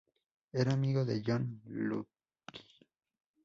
Era amigo de John Locke.